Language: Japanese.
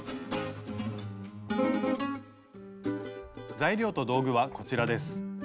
材料と道具はこちらです。